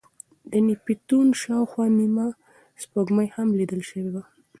د نیپتون شاوخوا نیمه سپوږمۍ هم لیدل شوې.